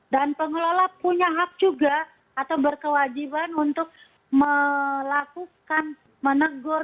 dan pengelola punya hak juga atau berkewajiban untuk melakukan menegur